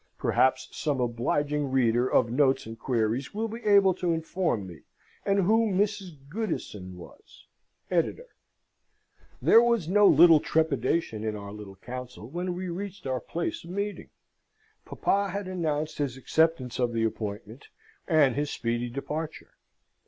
Perhaps some obliging reader of Notes and Queries will be able to inform me, and who Mrs. Goodison was. ED.] There was no little trepidation in our little council when we reached our place of meeting. Papa had announced his acceptance of the appointment, and his speedy departure.